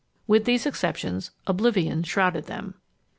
With these exceptions, oblivion shrouded them.